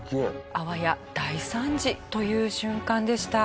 あわや大惨事という瞬間でした。